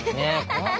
ハハハ。